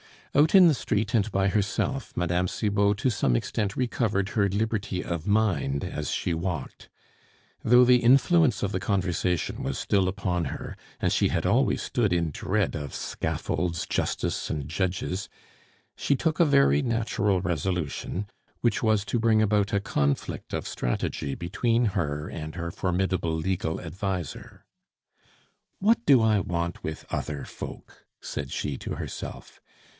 Out in the street and by herself, Mme. Cibot to some extent recovered her liberty of mind as she walked. Though the influence of the conversation was still upon her, and she had always stood in dread of scaffolds, justice, and judges, she took a very natural resolution which was to bring about a conflict of strategy between her and her formidable legal adviser. "What do I want with other folk?" said she to herself.